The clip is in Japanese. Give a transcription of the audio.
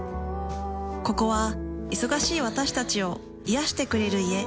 ここは忙しい私たちを癒してくれる家。